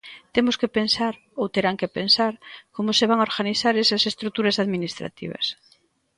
Temos que pensar, ou terán que pensar, como se van organizar esas estruturas administrativas.